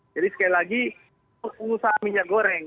jadi sekali lagi pengusaha minyak goreng